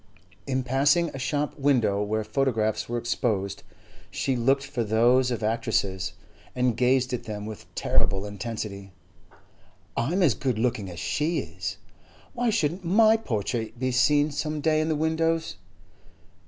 In passing a shop window where photographs were exposed, she looked for those of actresses, and gazed at them with terrible intensity. 'I am as good looking as she is. Why shouldn't my portrait be seen some day in the windows?